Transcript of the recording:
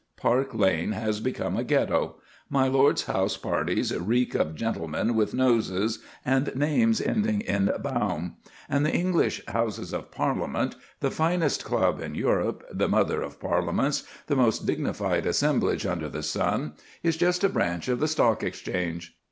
Park Lane has become a Ghetto; my lord's house parties reek of gentlemen with noses, and names ending in "baum"; and the English Houses of Parliament, the finest club in Europe, the mother of parliaments, the most dignified assemblage under the sun, is just a branch of the Stock Exchange.